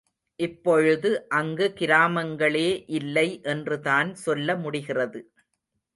இப்பொழுது அங்கு கிராமங்களே இல்லை என்றுதான் சொல்ல முடிகிறது.